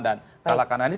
dan kalahkan anies